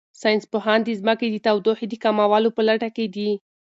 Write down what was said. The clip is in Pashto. ساینس پوهان د ځمکې د تودوخې د کمولو په لټه کې دي.